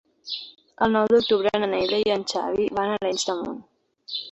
El nou d'octubre na Neida i en Xavi van a Arenys de Munt.